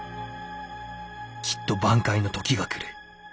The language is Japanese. きっと挽回の時が来る。